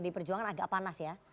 di perjuangan agak panas ya